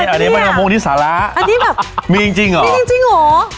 อันนี้ลูกอะไรกันเนี้ยอันนี้แบบมีจริงหรอมีจริงจริงหรอ